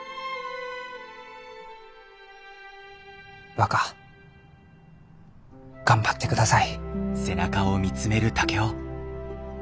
若頑張ってください。